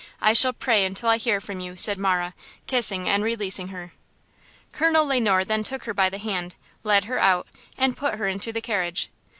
I shall pray until I hear from you!" said Marah, kissing and releasing her. Colonel Le Noir then took her by the hand, led her out, and put her into the carriage.